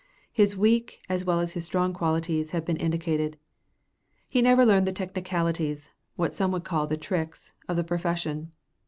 His weak as well as his strong qualities have been indicated. He never learned the technicalities, what some would call the tricks, of the profession.